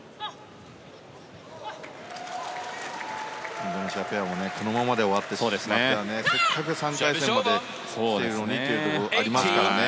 インドネシアペアもこのままで終わってしまってはせっかく３回戦まで来たのにというところもありますからね。